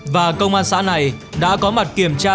và công an xã này đã có mặt kiểm tra